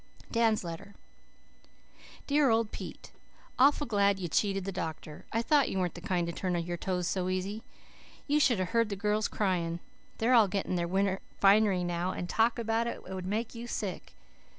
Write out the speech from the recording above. DAN'S LETTER "DEAR OLD PETE: Awful glad you cheated the doctor. I thought you weren't the kind to turn up your toes so easy. You should of heard the girls crying. "They're all getting their winter finery now and the talk about it would make you sick.